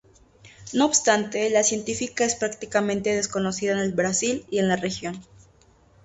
No obstante, la científica es prácticamente desconocida en el Brasil y en la región.